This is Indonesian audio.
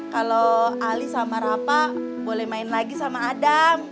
kalau ali sama rapa boleh main lagi sama adam